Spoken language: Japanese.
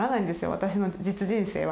私の実人生は。